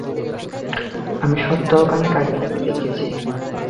আমি সপ্তাখানেক আগে তাকে দেখেছি।